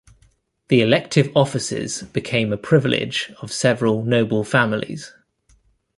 The elective offices became a privilege of several noble families.